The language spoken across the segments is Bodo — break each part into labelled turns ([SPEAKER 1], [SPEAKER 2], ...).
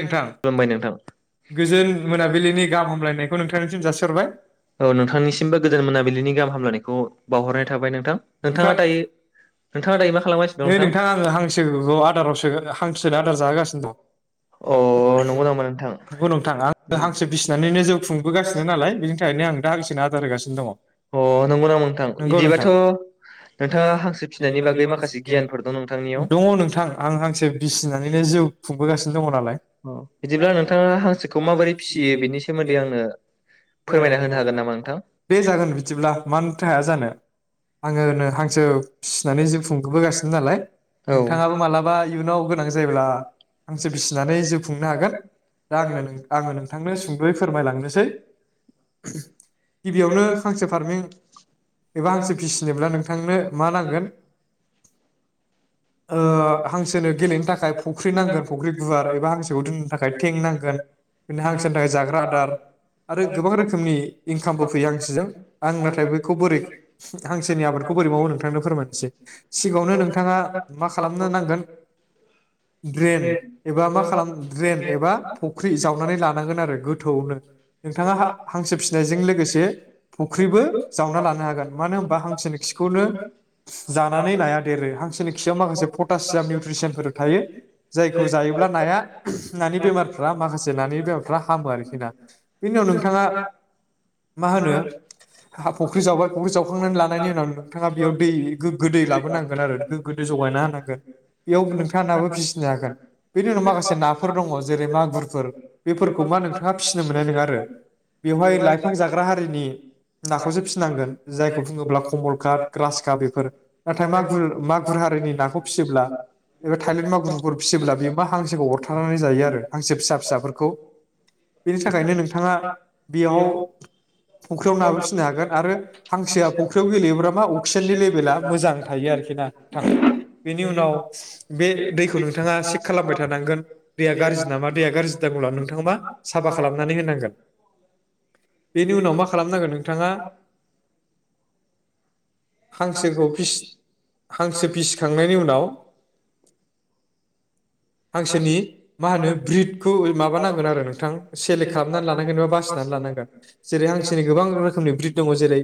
[SPEAKER 1] नोंथां
[SPEAKER 2] खुलुमबाय नोंथां
[SPEAKER 1] गोजोन मोनाबिलिनि गाहाम हामलायनायखौ नोंथांनिसिम जासिहरबाय
[SPEAKER 2] औ नोंथांनिसिमबो गोजोन मोनाबिलिनि गाहाम हामलायनायखौ बावहरनाय थाबाय नोंथां नोंथाङा दायो नोंथाङा दायो मा खालामगासिनो दं
[SPEAKER 1] नै
[SPEAKER 2] नोंथां?
[SPEAKER 1] आङो हांसोखौ आदारावसो हांसोनो आदार जाहोगासिनो दं
[SPEAKER 2] अ नंगौ नामा नोंथां
[SPEAKER 1] नंगौ नोंथां आं हांसो बिसिनानैनो जिउ खुंबोगासिनो नालाय बेनि थाखायनो आं दा हांसोनो आदार होगासिनो दङ
[SPEAKER 2] अ नंगौ नामा नोंथां
[SPEAKER 1] नंगौ नोंथां
[SPEAKER 2] इदिबाथ' नोंथाङा हांसो फिसिनायनि बागै माखासे गियानफोर दं नोंथांनियाव
[SPEAKER 1] दङ नोंथां आं हांसो बिसिनानैनो जिउ खुंबोगासिनो दं। दे
[SPEAKER 2] बिदिब्ला नोंथाङा हांसोखौ माबोरै फिसियो बेनि सोमोन्दै आंनो फोरमायना होनो हागोन नामा नोंथां?
[SPEAKER 1] जागोन बिदिब्ला मानोथो हाया जानो आङोनो हांसो फिसिनानै जिउ खुंबोगासिनो नालाय
[SPEAKER 2] औ
[SPEAKER 1] नोंथाङाबो मालाबा इयुनाव गोनां जायोब्ला हां सो
[SPEAKER 2] हांसो
[SPEAKER 1] बिसिनानै
[SPEAKER 2] फिसिनानै
[SPEAKER 1] जिब
[SPEAKER 2] जिउ
[SPEAKER 1] खुंनो हागोन दा आंनो नों आङो नोंथांनो सुंद'यै फोरमायलांनिसै
[SPEAKER 2] सोंनोसै
[SPEAKER 1] गिबियावनो हांसो फ्रामनि एबा हांसो फिसिनोब्ला नोंथांनो मा नांगोन ओ हांसोनो गेलेनो थाखाय फख्रि नांगोन फख्रि
[SPEAKER 2] [unintelligible]
[SPEAKER 1] खौ दोननो थाखाय थें नांगोन हांसोनि थाखाय जाग्रा आदार आरो गोबां रोखोमनि इंकामबो फैयो हांसोजों आं नाथाय बैखौ बोरै हांसोनि आबादखौ बोरै मावो नोंथांनो फोरमायनोसै सिगाङावनो नोंथाङा मा खालामनो नांगोन द्रेइन एबा मा खा खालाम द्रेइन एबा फख्रि जावनानै लानांगोन आरो गोथोवैनो नोंथाङा हांसो फिसिनायजों लोगोसे फख्रिबो जावना लानो हागोन मानो होनबा हांसोनि खिखौनो जानानै नाया देरो हांसोनि खियाव माखासे पथासियाम निउत्रिसियामफोर थायो जाखौ जायो अब्ला नाया नानि बेमारफ्रा माखासे नानि बेमारफ्रा हामो आरोखि ना बेनि उनाव नोंथाङा मा होनो फुख्रि जावबाय फुख्रि जावखांनानै लानायनि उनाव नोंथाङा बेयाव दै गोग्गो दै लाबोनांगोन आरो गोग्गो दै जगायना होनांगोन बेयाव नोंथाङा नाबो फिसिनो हागोन। बेनि उनाव माखास नाफोर दङ जेरै मागुरफोर बेफोरखौ मा नोंथाङा फिसिनो मोननाय नोङा आरो बेवहाय लाइफां जाग्रा हारिनि नाखौसो फिसिनांगोन जायखौ बुङोब्ला कमल काट ग्रास काट बेफोर नाथाय मागुर मागुर हारिनि नाखौ फिसियोब्ला एबा थाइले मागुरफोर फिसियोब्ला बे मा हांसोखौ अर होबथानानै जायो आरो हांसो फिसा फिसाफोरखौ बेनि थाखायनो नोंथाङा बेयाव फंख्रियाव नाबो फिसिनो हागोन आरो हांसोआ फंख्रियाव गेलेयोब्ला मा अक्सिजेननि लेभेला मोजां थायो आरोखि ना नोंथां बेनि उनाव बे दैखौ नोंथाङा चेक खालामबाय था होनांगोन। दैया गाज्रि नामा दैया गाज्रि जादोंब्ला नोंथाङा मा साफा खालामनानै होनांगोन। बेनि उनाव मा खालामनांगोन नोंथाङा हांसोखौ फिस हांसो फिसिखांनायनि उनाव
[SPEAKER 2] हांसोनि
[SPEAKER 1] मा होनो ब्रिदखौ माबानांगोन आरो नोंथां सेलेक खालामनानै लानांगोन एबा बासिनानै लानांगोन जेरै हांसोनि गोबां रोखोमनि ब्रिद दङ जेरै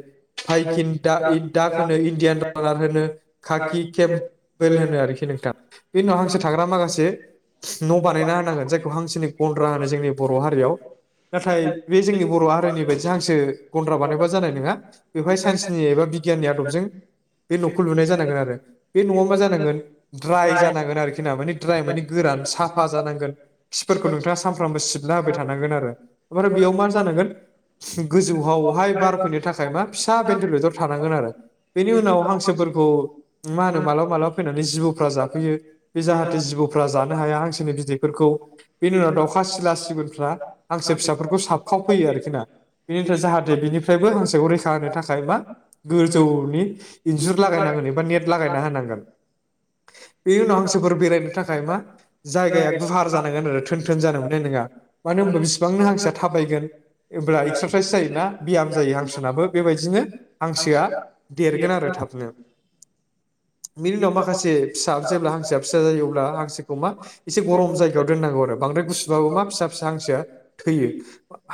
[SPEAKER 1] पाइकिनदा इकदा होनो इण्डियान डलार होनो काकि केमपेल होनो आरोखि नोंथां बे उनाव हांसो थाग्रा माखासे न' बानायना होनांगोन जायखौ हांसोनि गन्द्रा होनो जोंनि बर' हारियाव नाथाय बे जोंनि बर' हारिनि बायदि हांसो गन्द्रा बानायबा जानाय नङा बेवहाय साइन्सनि एबा बिगियाननि आदबजों बे न'खौ लुनाय जानांगोन आरो बे न'आ मा जानांगोन ड्राय जानांगोन आरोखि ना माने ड्राय मानि गोरान। साफा जानांगोन खिफोरखौ नोंथाङा सानफ्रामबो सिबना होबाय थानांगोन ओमफ्राय बेयाव मा जानांगोन गोजौ आवहाय बार फैनो थाखाय मा फिसा बेतलेदद थानांगोन आरो बेनि उनाव हांसो फोरखौ मा होनो मालाबा मालाबा जिबौफोरा फैनानै जाफैयो बे जाहाथे जिबौफोरा जान बिदैफोरखौ बेनि उनाव दाउखा सिला सिगुनफ्रा हांसो फिसाफोरखौ साबखावफैयो आरोखि ना बेनिफ्राय जाहाथे बिनिफ्रायबो हांसोखौ रैखा होनो थाखाय मा गोजौनि इन्जुर लागायनांगोन एबा नेट लागायना होनांगोन। बेनि उनाव हांसोफोर बेरायनो थाखाय मा जायगाया गुवार जानांगोन आरो थोन थोन जानो मोननाय नोंङा मानो होनबा बिसिबांनो हांसोआ थाबायगोन होनब्ला एक्सारसाइस जायोना बियाम जायो हांसोनोनाबो बेबायदिनो हांसोआ देरगोन आरो थाबनो। बिनि उनाव माखासे फिसा जेब्ला हांसोआ फिसा जायो अब्ला हांसोखौ मा एसे गरम जायगायाव दोननांगौ आरो बांद्राय गुसुबाबो मा फिसा फिसा हांसोआ थैयो।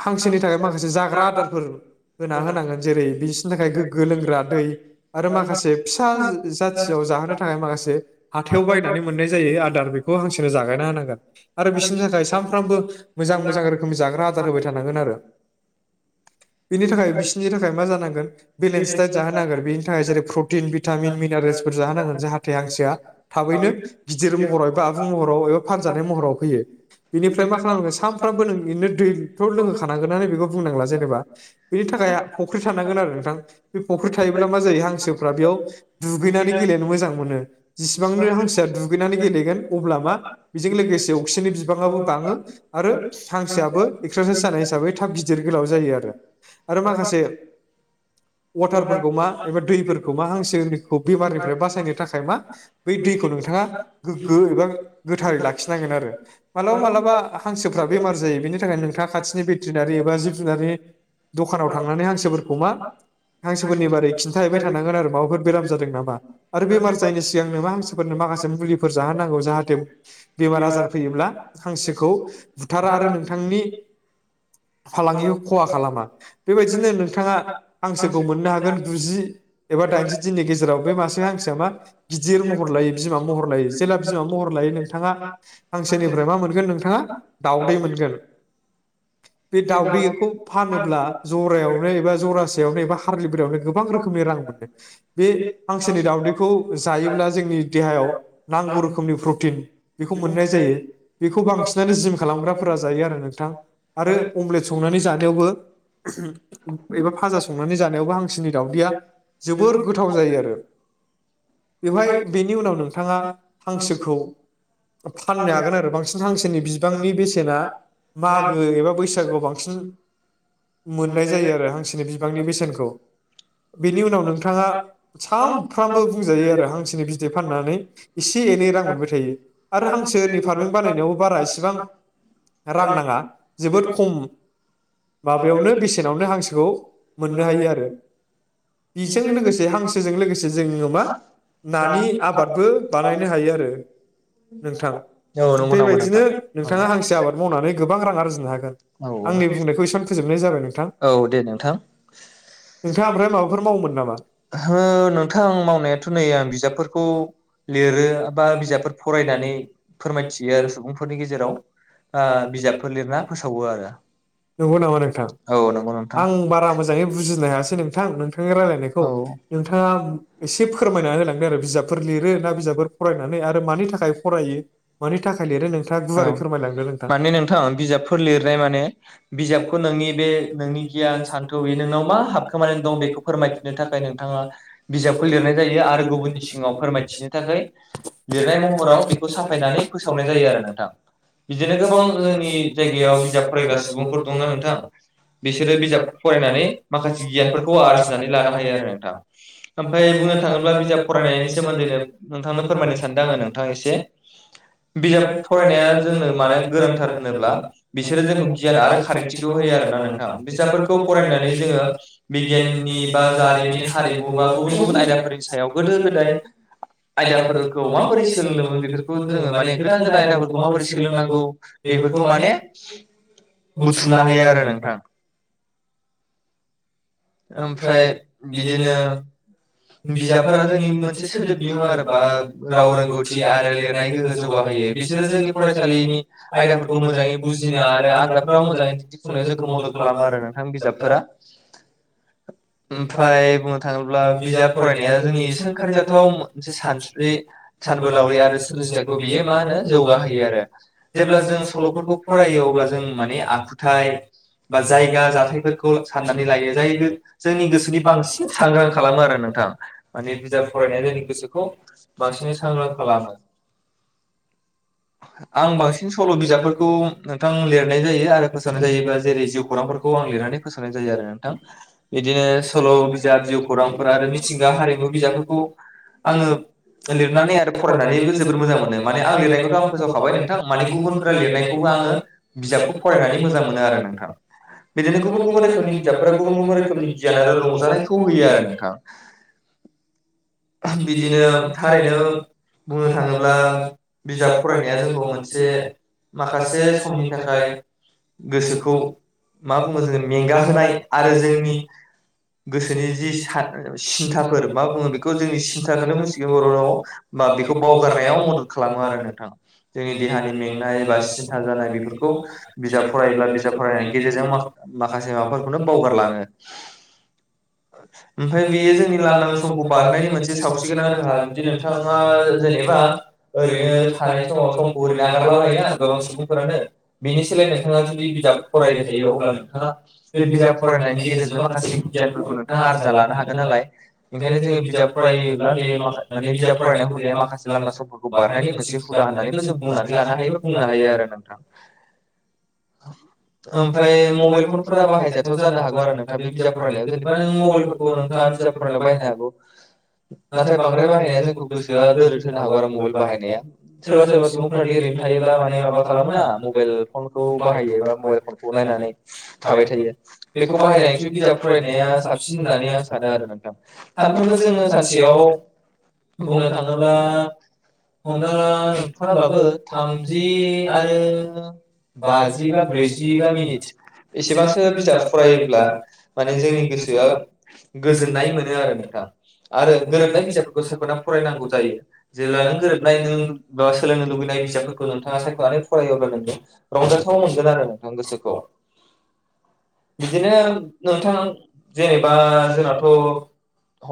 [SPEAKER 1] हांसोनि थाखाय माखासे जाग्रा आदारफोर होना होनांगोन जेरै- बिसनि थाखाय गोग्गो लोंग्रा दै आरो माखासे फिसा थियाव जाहोनो थाखाय माखासे हाथायाव बायनानै मोननाय जायो आदार बे खौ हांसोनो जागायना होनांगोन आरो बिसोरनि थाखाय सानफ्रामबो मोजां मोजां रोखोमनि जाग्रा आदार होबाय थानांगोन आरो। बिनि थाखाय बिसोरनि थाखाय मा जानांगोन बेलेन्स डाइत जाहोनांगोन बेनि थाखाय जेरै प्रटिन भिटामिन मिनारेल्स फोर जोहोनांगोन जाहाथे हांसोआ थाबैनो गिदिर महराव आबुं महराव एबा फानजानाय महराव फैयो बेनिफ्राय मा खालामो सानफ्रबो नों बिनो दैथ' लोंहोखानांगोन होननानै बेखौ बुंनांला जेनेबा बेनि थाखाय फख्रि थानांगोन आरो नोंथां बे फख्रि थायोब्ला मा जायो हांसोफ्रा बेयाव दुगैनानै गेलेनो मोजां मोनो जेसिबांनो हांसोआ दुगैनानै गेलेगोन अब्ला मा बेजों लोगोसे अक्सिजेननि बिबाबिबांङाबो बांङो आरो हांसोआबो एक्सारसाइस जानाय हिसाबै थाब गिदिर गोलाव जायो आरो। आरो माखासे वाटारफोरखौ मा एबा दैफोरखौ मा हांसोखौ बेमारनिफ्राय बासायनो थाखाय मा बै दैखौ नोंथांङा गो गो एबा गोथारै लाखिनांगोन आरो मालाबा-मालाबा हांसोफोरा बेमार जायों बिनिथाखायनो नोंथांङा खाथिनि भेतिनारि एबा जिब-जुनारनि दखानाव थांनानै हांसोफोरखौ मा हांसोफोरनि बागै खिन्था हैबाय थानांगोन आरो माबाफोर जा दों नामा आरो बेमार जायनि सिगांनो मा हांसोफोरनो माखासे मुलि फोर जाहोनांगौ जाहाथे बेमार आजार फैयोब्ला हांसोखौ बुथारा आरो नोंथांनि फालांगिखौ खहा खालामा बेबायदिनो नोंथानोंथांङा हांसोखौ मोननो हागोन गुजि एबा दाइनजि दिननि गेजेराव बे मासे हांसोआ मा गिदिर महर लायो बिमा महर लायो। जोयाव महर लायो नोंथांङा हांसोनिफ्राय मा मोनगोन नोंथांङा दाावदै मोनगोन। बे दावदैखौ फानोब्ला जरायावनो एबा जरासेयावनो एबा हारलि बयावनो गोबां रोखोमनि रां मोनो बे हांसोनि दावदैखौ जायोब्ला जोंनि देहायाव नांगौ रोखोमनि प्रटिन बेखौ मोननाय जायो बेखौ बांसिनानो जिम खालामग्राफोरा जायो आरो नोंथां। आरो अमलेट संनानै जानायावबो एबा फाजा संनानै जानायावबो हांसोनि दावउदैया जोबोर गोथाव जायो आरो। बेवहाय बेनि उनाव नोंथांङा हांसोखौ फाननो हागोन आरो बांसिन हांसोनि बिबांनि बेसेना मागो एबा बैसा फोरखौ बांसिन मोननाय जायो। आरो हांसोनि बिबांनि बेसेनखौ बेनि उनाव नोंथांङा सानफ्रामबो बुंजायो आरो हांसोनि बिदै फाननानै एसे एनै रां मोनबाय थायो आरो हांसोनि फार्मेन्ट बानायनायावबो बारा इसेबां रां नांङा जोबोद खम माबायावनो बेसेनावनो हांसोखौ मोननो हायो आरो। बेजों लोगोसे हांसोजों लोगोसे जोंङोनियाव मा नानि आबादबो बानायनो हायो आरो नोंथां
[SPEAKER 2] औ नंगौ नामा
[SPEAKER 1] बेबायदिनो
[SPEAKER 2] नोंथां औ
[SPEAKER 1] नोंथांङा हांसो आबाद मावनानै गोबां रां आरजिनो हागोन
[SPEAKER 2] औ
[SPEAKER 1] आंनि बुंनायखौ एसेबां फोजोबनाय जाबाय नोंथां
[SPEAKER 2] औ दे नोंथां
[SPEAKER 1] नोंथाङा ओमफ्राय माबाफोर मावोमोन नामा
[SPEAKER 2] ओ नोंथां ओ मावनायाथ' नै आं बिजाबफोरखौ लिरो बा बिजाबफोर फरायनानै फोरमायथियो आरो सुबुंफोरनि गेजेराव आ बिजाबफोर लिरना फोसावो आरो।
[SPEAKER 1] नंगौ नामा नोंथां औ
[SPEAKER 2] नंगौ नोंथां
[SPEAKER 1] आं बारा मोजाङै बुजिनो हायासै नोंथां नोंथांनि
[SPEAKER 2] औ
[SPEAKER 1] रायलायनायखौ नोंथाङा एसे फोरमायनानै होलांदों आरो बिजाबफोर लिरो
[SPEAKER 2] [unintelligible]
[SPEAKER 1] ना बिजाबफोर फरायनानै आरो मानि थाखाय फरायो मानि थाखाय लिरो नोंथाङा
[SPEAKER 2] औ
[SPEAKER 1] गुवारै फोरमायलांदो नोंथां
[SPEAKER 2] माने नोंथां बिजाबफोर लिरनाय माने बिजाबखौ नोंनि बे नोंनि गियान सान्थौ बे नोंनाव मा हाबखोमानानै दं बेखौ फोरमायथिनो थाखाय नोंथाङा बिजाबखौ लिरनाय जायो आरो गुबुननि सिगाङाव फोरमायथिनो थाखाय
[SPEAKER 1] थाखाय लिरनाय महराव बेखौ साफायनानै फोसावनाय जायो आरो नोंथां। बिदिनो गोबां जोंनि जायगायाव बिजाब फरायग्रा सुबुंफोरखौ
[SPEAKER 2] नो नोंथां बिसोरो बिजाबखौ फरायनानै माखासे गियानफोरखौ आरजिनानै लानो हायो आरो नोंथां। ओमफ्राय बुंनो थाङोब्ला बिजाब फरायनायनि सोमोन्दैनो नोंथांनो फोरमायनो सानदों आङो नोंथां एसे। बिजाब फरायनाया जोंनो मानो गोनांथार होनोब्ला बिसोरो जोंखौ गियान आरो खारिथिखौ होयो आरोना नोंथां। बिजाबफोरखौ फरायनानै जोङो बिगियाननि बा जारिमिन हारिमु बा गुबुन गुबुन आयदाफोरनि सायाव गोदो गोदाय
[SPEAKER 1] सोलाय
[SPEAKER 2] आयदाफोरखौ माबोरै सोलोंदोंमोन बेफोरखौ जोङो माने गोदान गोदान आयदाफोरखौ माबोरै सोलोंनांगौ बेफोरखौ माने
[SPEAKER 1] बुथुमना
[SPEAKER 2] बुथुमनो
[SPEAKER 1] होयो
[SPEAKER 2] हायो आरो नोंथां। ओमफ्राय बिदिनो बिजाबफोरा जोंनि मोनसे सोदोब बिहुं आरो बा राव रोंगौथि आरो लिरनाय गोहो जौगाहोयो, बिसोरो जोंनि फरायसालिनि आयदाफोरखौ मोजाङै बुजिनो आरो आनजाद राव मोजाङै दिन्थिफुंनायाव जोंखौ मदद खालामो आरो नोंथां बिजाबफोरा। ओमफ्राय बुंनो थाङोब्ला बिजाब फरायनाया जोंनि सोंखारि जाथाव जे
[SPEAKER 1] बे
[SPEAKER 2] सानस्रि
[SPEAKER 1] सानबोलावरिखौ
[SPEAKER 2] सानबोलावरि आरो सोरजिथायखौ बियो मा होनो जौगाहोयो आरो, जेब्ला जों सल'फोरखौ फरायो अब्ला जों माने आखुथाइ बा जायगा जाथायफोरखौ साननानै लायो जाय जोंनि गोसोनि बांसिन सांग्रां खालामो आरो नोंथां, माने बिजाब फरायनाया जोंनि गोसोखौ बांसिनै सांग्रां खालामो। आं बांसिन सल' बिजाबफोरखौ नोंथां लिरनाय जायो आरो फोसावनाय जायोबा जेरै जिउ खौरांफोरखौ आं लिरनानै फोसावनाय जायो आरो नोंथां। बिदिनो सल' बिजाब जिउ खौरांफोर आरो मिथिंगा हारिमु बिजाबफोरखौ आङो लिरनानै आरो फरायनानैबो जोबोर मोजां मोनो माने आं लिरनायखौथ' आं फोजावखाबाय नोंथां माने गुबुनफोरा लिरनायखौबो आङो बिजाबखौ फरायनानै मोजां मोनो आरो नोंथां। बिदिनो गुबुन गुबुन रोखोमनि बिजाबफोरा गुबुन गुबुन रोखोमनि गियान आरो रंजानायखौ होयो आरो नोंथां।
[SPEAKER 1] बिदिनो थारैनो बुंनो थाङोब्ला बिजाब फरायनाया जोंखौ मोनसे माखासे समनि थाखाय
[SPEAKER 2] गोसोखौ मा बुङो जोङो मेंगा होनाय आरो जोंनि गोसोनि जि सा
[SPEAKER 1] सिन्थाखौ
[SPEAKER 2] सिन्थाफोर मा बुङो बेखौ जोंनि सिन थाखोनो बुंसिगोन बर' राव। बा बेखौ बावगारनायाव मदद खालामो आरो नोंथाङा जोंनि देहानि मेंनाय बा सिन्था जानाय बेफोरखौ बिजाब फरायब्ला बिजाब फरायनायनि गेजेरजों मा-माखासे माबाफोरखौनो बावगारलाङो। ओमफ्राय बेयो जोंनि लांदां समखौ बारहोननायनि मोनसे सावस्रि गोनां राहा जुदि नोंथाङा जेनेबा ओरैनो थानाय समाव समखौ ओरैनो नागारला बायोना गोबां सुबुंफोरानो बिनि सोलाय नोंथाङा जुदि बिजाब फरायबाय थायो, अब्ला नोंथाङा बे बिजाब फरायनायनि गेजेरजोंनो माखासे गियानफोरखौ नोंथाङा आरजना लानो हागोन नालाय ओंखायनो जोङो बिजाब फरायोब्ला बे माख माने बिजाब फरायनाय हुदाया
[SPEAKER 1] फरायनाया मा होननानैबो जों बुंनो हागोन
[SPEAKER 2] माखासे लान्दा समफोरखौ बारनायनि मोनसे हुदा
[SPEAKER 1] बुंनो
[SPEAKER 2] होननानैबो जों बुंनानै लानो हायो
[SPEAKER 1] ओमफ्राय मबाइलखौ जेनेबा
[SPEAKER 2] बा
[SPEAKER 1] नों मबाइल
[SPEAKER 2] बुंनो हायो आरो नोंथां। ओमफ्राय मबाइल फनफोरा बाहायजाथाव जानो हागौ आरो नोंथां बे बिजाब फरायनायाव जेनेबा
[SPEAKER 1] फरायनाया
[SPEAKER 2] नों मबाइलफोरखौ नोंथाङा बिजाब फरायनायाव बाहायनो हागौ। नाथाय बांद्राय बाहायनाया जोंखौ गोसोआ दोरद होनो हागौ आरो मबाइल बाहायनाया सोरबा सोरबा सुबुंफोरादि ओरैनो थायोब्ला माने माबा खालामो ना मबाइल। खौ बाहायो बा मबाइल फनखौ नायनानै थाबाय थायो
[SPEAKER 1] बे
[SPEAKER 2] बेखौ बाहायनायनिख्रुय बिजाब फरायनाया साबसिन होननानै आ सानो नोंथां सानफ्रोमबो जों सानसेयाव बुंनो थाङोब्ला हमना ला नोंथाराबाबो
[SPEAKER 1] जि
[SPEAKER 2] थामजि आरो। बाजि बा ब्रैजिबा मिनिट एसेबांसो बिजाब फरायोब्ला माने जोंनि गोसोआ गोजोननाय मोनो आरो नोंथां। आरो गोरोबनाय बिजाबफोरखौ सायख'नानै फरायनांगौ जायो जेब्ला नों गोरोबनाय नों सोलोंनो लुुबैनाय बिजाबफोरखौ नोंथाङा सायख'नानै फरायो अब्ला नोंङो रंजाथाव मोनगोन आरो नोंथां गोसोखौ बिदिनो नोंथां जेनेबा जोंनाथ'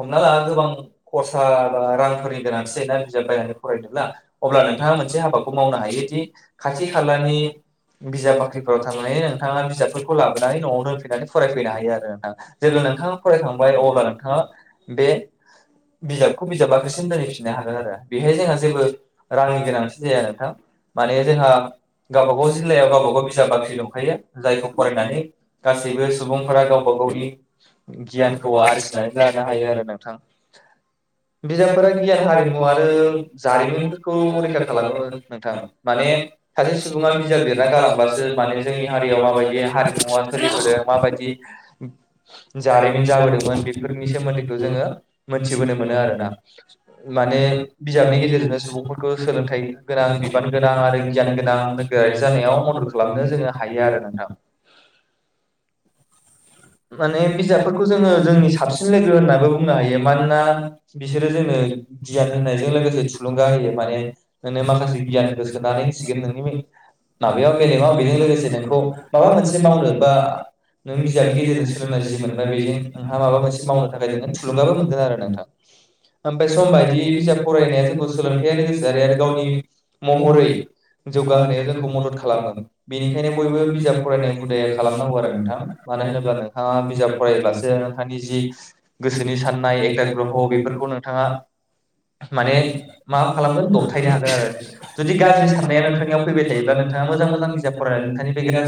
[SPEAKER 1] हमना ला
[SPEAKER 2] खरसा बा रांफोरनि गोनांथि जायोना बिजाब बायनानै फरायनोब्ला अब्ला नोंथाङा मोनसे हाबाखौ मावनो हायोदि खाथि खालानि बिजाब बाख्रिफोराव थांनानै नोंथाङा बिजाबफोरखौ
[SPEAKER 1] बिजाबखौ
[SPEAKER 2] लाबोनानै न'आव दोनफैनानै फरायफैनो हायो आरो नोंथाङा
[SPEAKER 1] लाबोनानै
[SPEAKER 2] जेब्ला नोंथाङा फरायखांबाय अब्ला नोंथाङा
[SPEAKER 1] बे बिजाबखौ बिजाब बाख्रिसिम दोनहैफिन्नो हागोन आरो बेखायनो जोंहा जेबो रांनि गोनांथि जाया आरोना माने जोंहा गावब गाव
[SPEAKER 2] जिल्लायाव गावबा गाव बिजाब बाख्रि दंखायो जायखौ फरायनानै गासैबो सुबुंफोरा गावबा गावनि गियानखौ आरजिनानै लानो हायो आरो ना। बिजाबफोरा गियान हारिमु आरो
[SPEAKER 1] जारिमिन
[SPEAKER 2] जारिमिनफोरखौ
[SPEAKER 1] खौ
[SPEAKER 2] रैखा खालामो
[SPEAKER 1] खालामनो
[SPEAKER 2] नोंथां माने सासे सुबुङा गालांबासो माने जोंनि हारियाव माबायदि हारिमुवा सोलिबोदों माबायदि जारिमिन
[SPEAKER 1] जाबोदों
[SPEAKER 2] जाबोदोंमोन बेफोरनि
[SPEAKER 1] बेफोरखौ
[SPEAKER 2] सोमोन्दै
[SPEAKER 1] जोङो नुनो
[SPEAKER 2] मोनथिबोनो मोनो आरोना माने बिजाबनि गेजेरजोंनो सुबुंफोरखौ सोलोंथाइ गोनां बिबान गोनां आरो गियान गोनां। [unintelligible] जानायाव मदद खालामनो जोङो हायो आरो नोंथां होनबा नों बिजाबफोरखौ जोङो जोंनि साबसिन लोगो होननाबो बुंनो हायो मानोना बिसोरो जोंनो गियान होनायजों लोगोसे थुलुंगा होयो माने नोंनो माखासे गियानखौ सोनानै होनसिगोन नोंनि माबायाव मेलेमाव बेजों लोगोसे नोंखौ माबा मोनसे मावनो बा नों बिजाबनि गेजेरजों सोलोंनाय जि मोनबाय बेजों नोंहा माबा मोनसे मावनो थाखाय नोङो थुलुंगाबो मोनगोन आरो नोंथां ओमफाय सम बायदि बिजाब फरायनाया जोंखौ सोलोंथायारि गोसोआरि आरो गावनि महरै जौगाहो जोंखौ मदद खालामो बेनिखायनो बयबो बिजाब फरायनाय हुदाया खालामनांगौ आरो नोंथां मानो होनोब्ला नोंथाङा बिजाब फरायोब्लासो नोंथांनि जि गोसोनि साननाय एकता ग्रह' बेफोरखौ नोंथाङा माने मा खालामगोन
[SPEAKER 1] [unintelligible]
[SPEAKER 2] दबथायनो हागोन आरो जुदि गाज्रि साननाया नोंथांनियाव फैबाय थायोब्ला नोंथाङा मोजां मोजां बिजाब फरायनानै नोंथांनि बे
[SPEAKER 1] [unintelligible]